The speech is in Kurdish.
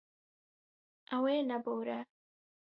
Ew ê nebore.